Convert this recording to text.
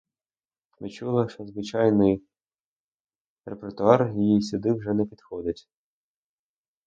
Відчула, що звичайний репертуар її сюди вже не підходить.